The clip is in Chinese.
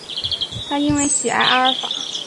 他因为喜爱阿尔达。